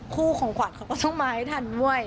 คู่ของขวัญเขาก็ต้องมาให้ทันด้วย